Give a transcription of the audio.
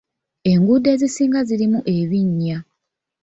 Enguudo ezisinga zirimu ebinnya.